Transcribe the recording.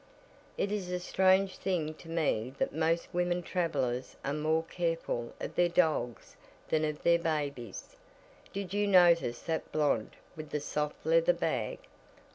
It is a strange thing to me that most women travelers are more careful of their dogs than of their babies. Did you notice that blonde with the soft leather bag?